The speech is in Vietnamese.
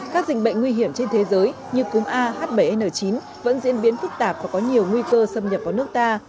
các dịch bệnh nguy hiểm trên thế giới như cúm ah bảy n chín vẫn diễn biến phức tạp và có nhiều nguy cơ xâm nhập vào nước ta